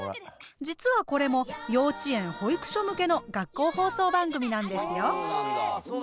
実はこれも幼稚園・保育所向けの学校放送番組なんですよ。